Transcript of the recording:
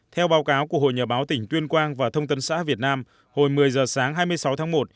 theo báo cáo của hội nhà báo tỉnh tuyên quang và thông tân xã việt nam hồi một mươi giờ sáng hai mươi sáu tháng một